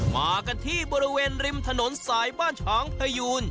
มากันที่บริเวณริมถนนสายบ้านฉางพยูน